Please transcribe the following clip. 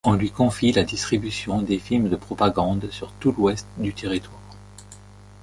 On lui confie la distribution des films de propagande sur tout l'ouest du territoire.